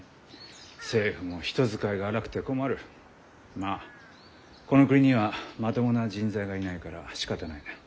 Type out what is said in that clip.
まあこの国にはまともな人材がいないからしかたない。